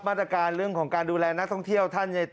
มาตรการเรื่องของการดูแลนักท่องเที่ยวท่านจะ